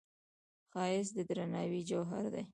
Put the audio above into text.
ښایست د درناوي جوهر دی